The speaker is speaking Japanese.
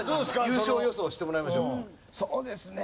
優勝予想してもらいましょうか。